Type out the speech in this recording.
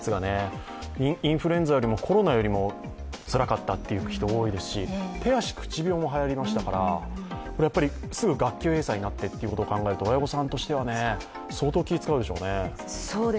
インフルエンザよりもコロナよりもつらかったという人が多いですし手足口病もはやりましたからすぐ学級閉鎖になってっていうことも考えると、親御さんとしては相当気を使うでしょうね。